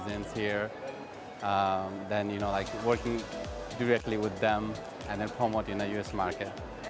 saya ingin bekerja secara langsung dengan mereka dan mempromosi di pasar amerika serikat